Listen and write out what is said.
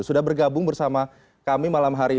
sudah bergabung bersama kami malam hari ini